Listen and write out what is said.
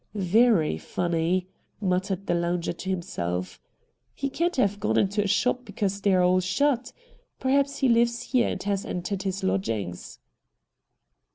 ' Very funny/ muttered the lounger tc himself. 'He can't have gone into a shop because they are all shut. Perhaps he hves here and has entered his lodgings.'